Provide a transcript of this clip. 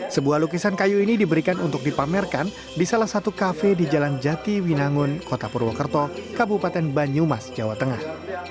sebuah lukisan kayu ini diberikan untuk dipamerkan di salah satu kafe di jalan jati winangun kota purwokerto kabupaten banyumas jawa tengah